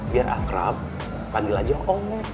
biar akrab panggil aja oh